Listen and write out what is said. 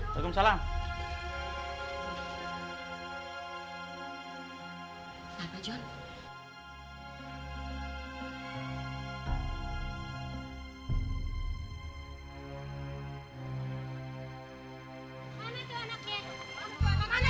mana tuh anaknya